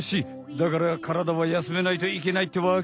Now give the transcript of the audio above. だから体はやすめないといけないってわけ。